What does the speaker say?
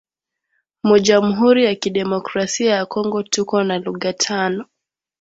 Mu jamhuri ya kidemocrasia ya kongo tuko na luga tano